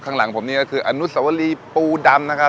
ข้างหลังผมนี่ก็คืออนุสวรีปูดำนะครับ